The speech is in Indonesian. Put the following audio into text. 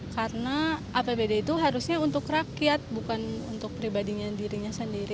karena apbd itu harusnya untuk rakyat bukan untuk pribadinya dirinya sendiri